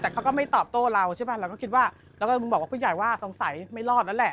แต่เขาก็ไม่ตอบโต้เราใช่ป่ะเราก็คิดว่าเราก็มึงบอกว่าผู้ใหญ่ว่าสงสัยไม่รอดแล้วแหละ